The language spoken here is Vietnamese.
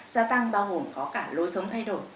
gia tăng bao gồm có cả lối sống thay đổi